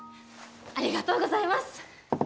ありがとうございます。